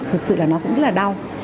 thực sự là nó cũng rất là đau